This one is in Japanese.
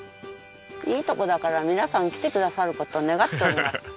いいとこだから皆さん来てくださる事を願っております。